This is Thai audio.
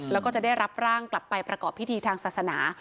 แล้วก็จะได้รับร่างกลับไปประกอบพิธีทางศาสนา